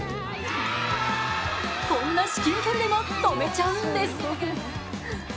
こんな至近距離でも止めちゃうんです。